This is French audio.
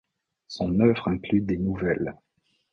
Son œuvre inclut des nouvelles.